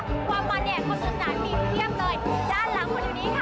ความรับมาเนี่ยความสุขสนานมีเทียบเลยด้านหลังคนนี้ค่ะ